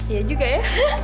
ya juga ya